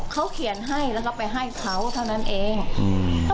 เขาเขียนให้แล้วก็ไปให้เขาเท่านั้นเองอืม